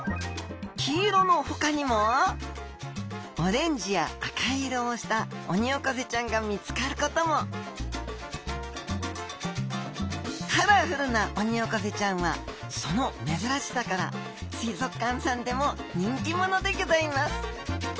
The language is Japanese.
黄色のほかにもオレンジや赤色をしたオニオコゼちゃんが見つかることもカラフルなオニオコゼちゃんはその珍しさから水族館さんでも人気者でギョざいます